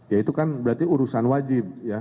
ya itu kan berarti urusan wajib ya